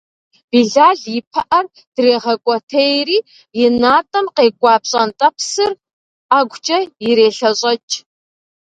Билал и пыӏэр дрегъэкӏуэтейри и натӏэм къекӏуа пщӏантӏэпсыр ӏэгукӏэ ирелъэщӏэкӏ.